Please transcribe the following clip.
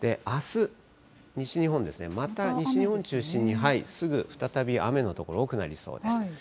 あす、西日本ですね、また西日本中心にすぐ再び雨の所多くなりそうです。